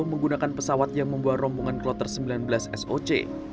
menggunakan pesawat yang membuat rombongan kloter sembilan belas soc